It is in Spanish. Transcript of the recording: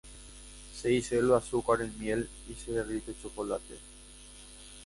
Se disuelve azúcar en miel, y se derrite chocolate.